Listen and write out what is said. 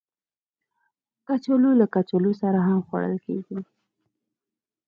کچالو له کچالو سره هم خوړل کېږي